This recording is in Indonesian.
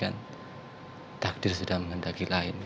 tapi kan takdir sudah menghentaki lain